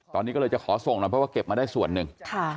ตอนนี้ก็เลยจะขอส่งหน่อยเพราะว่าเก็บมาได้ส่วนหนึ่ง